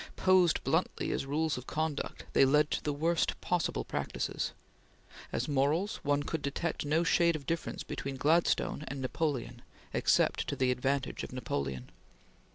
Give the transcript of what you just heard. Posed bluntly as rules of conduct, they led to the worst possible practices. As morals, one could detect no shade of difference between Gladstone and Napoleon except to the advantage of Napoleon.